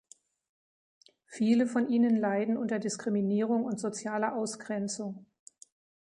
Viele von ihnen leiden unter Diskriminierung und sozialer Ausgrenzung.